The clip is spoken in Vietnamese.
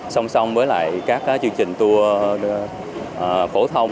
song song với lại các chương trình tour phổ thông